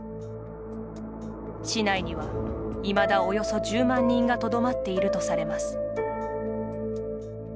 市内にはいまだおよそ１０万人がとどまっているとされます。